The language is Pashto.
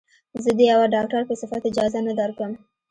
زه د يوه ډاکتر په صفت اجازه نه درکم.